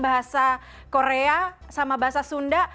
bahasa korea sama bahasa sunda